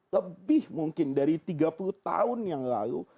lebih mungkin dari tiga puluh tahun yang lalu